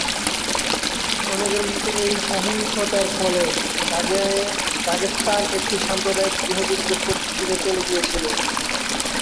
অনেকের মতে এই সহিংসতার ফলে দাগেস্তান একটি সাম্প্রদায়িক গৃহযুদ্ধের পরিস্থিতিতে চলে গিয়েছিল।